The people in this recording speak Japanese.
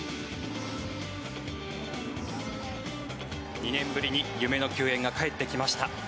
２年ぶりに夢の球宴が帰ってきました。